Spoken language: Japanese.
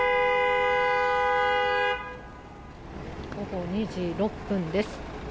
午後２時６分です。